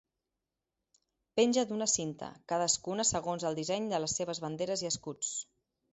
Penja d'una cinta, cadascuna segons el disseny de les seves banderes i escuts.